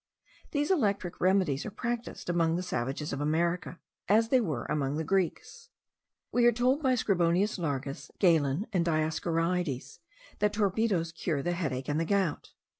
These electric remedies are practised among the savages of America, as they were among the Greeks. We are told by Scribonius Largus, Galen, and Dioscorides, that torpedos cure the headache and the gout.